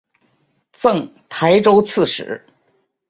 赠台州刺史。